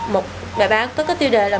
một bài báo có cái tiêu đề là